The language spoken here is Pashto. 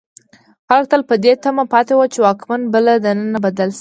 خلک تل په دې تمه پاتې وو چې واکمن به له دننه بدل شي.